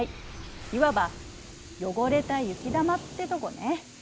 いわば汚れた雪玉ってとこね。